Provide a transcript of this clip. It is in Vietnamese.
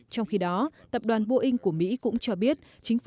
trong khi đó tập đoàn boeing của mỹ cũng cho biết